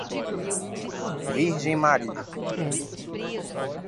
Virgem Maria